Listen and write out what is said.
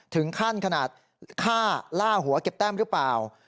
ถึงขั้นขนาดฆ่าล่าหัวเก็บแต้มหรือเปล่า